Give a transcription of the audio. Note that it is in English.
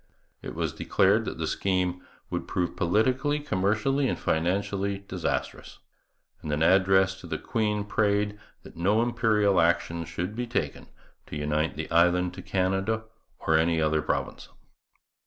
It was declared that the scheme 'would prove politically, commercially and financially disastrous'; and an address to the Queen prayed that no Imperial action should be taken to unite the Island to Canada or any other province.